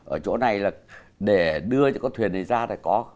ở chỗ này là để đưa những con thuyền này ra này có